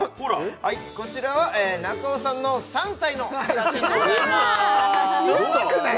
こちらは中尾さんの３歳の写真でございますいらなくない？